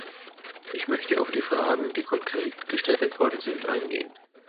Ich möchte auf die Fragen, die konkret gestellt worden sind, eingehen.